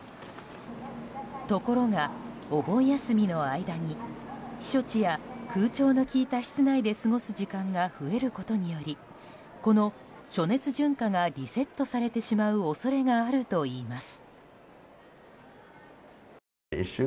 ところが、お盆休みの間に避暑地や空調の利いた室内で過ごす時間が増えることによりこの暑熱順化がリセットされてしまう恐れがあるといいます。